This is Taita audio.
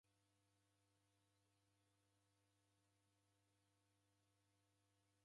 Umundu wasagha osigha w'ana w'asanu.